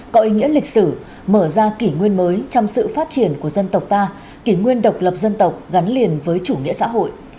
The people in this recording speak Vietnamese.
có ý nghĩa lịch sử mở ra kỷ nguyên mới trong sự phát triển của dân tộc ta kỷ nguyên độc lập dân tộc gắn liền với chủ nghĩa xã hội